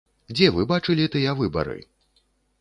Дзе вы бачылі тыя выбары?